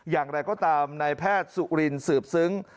อย่างไรก็ตามนายแพทย์สุรินสืบซึ้ง